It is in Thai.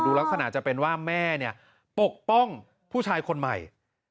ลักษณะจะเป็นว่าแม่เนี่ยปกป้องผู้ชายคนใหม่